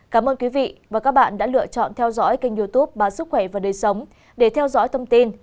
cảm ơn quý vị và các bạn đã lựa chọn theo dõi kênh youtube bà sức khỏe và đời sống để theo dõi thông tin